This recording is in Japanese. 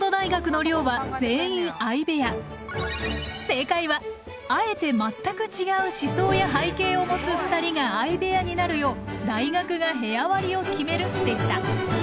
正解はあえて全く違う思想や背景を持つ２人が相部屋になるよう大学が部屋割りを決めるでした。